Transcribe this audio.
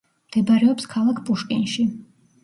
მდებარეობს ქალაქ პუშკინში.